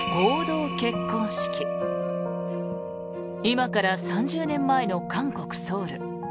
今から３０年前の韓国ソウル。